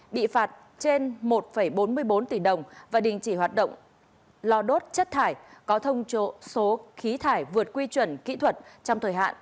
bị phạt trên một bốn mươi bốn tỷ đồng và đình chỉ hoạt động lò đốt chất thải có thông chỗ số khí thải vượt quy chuẩn kỹ thuật trong thời hạn bốn tháng một mươi năm ngày